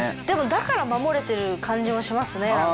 でもだから守れてる感じもしますね。